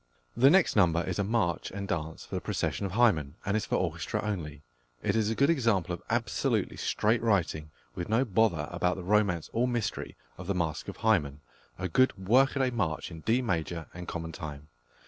The next number is a march and dance for the procession of Hymen, and is for orchestra only. It is a good example of absolutely straight writing, with no bother about the romance or mystery of the masque of Hymen a good workaday march in D major and common time.